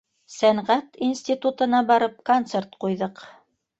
Сәнғәт институтына барып концерт ҡуйҙыҡ.